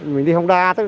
mình đi hông đa